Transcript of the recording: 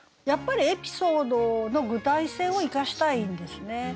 やっぱりエピソードの具体性を生かしたいんですね。